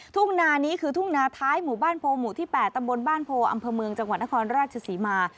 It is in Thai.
ทุ่งนานี้คือทุ่งนาท้ายหมู่บ้านโพหมู่ที่๘ตำบลบ้านโพอำเภอเมืองจังหวัดนครราชศรีมา